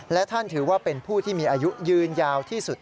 และท่านถือว่าเป็นผู้ที่มีอายุยืนยาวที่สุด